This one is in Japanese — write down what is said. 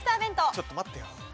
ちょっと待ってよ。